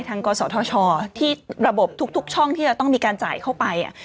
กศธชที่ระบบทุกช่องที่จะต้องมีการจ่ายเข้าไป